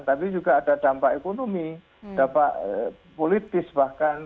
tapi juga ada dampak ekonomi dampak politis bahkan